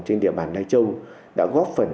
của ủy ban lai châu đã góp phần